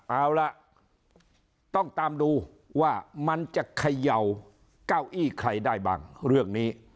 เอาล่ะต้องตามดูว่ามันจะเขย่าเก้าอี้ใครได้บ้างเรื่องนี้